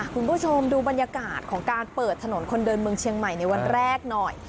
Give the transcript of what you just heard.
คุณผู้ชมดูบรรยากาศของการเปิดถนนคนเดินเมืองเชียงใหม่ในวันแรกหน่อย